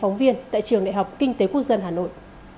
phóng viên tại trường đại học kinh tế quốc dân hà nội